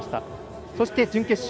そして準決勝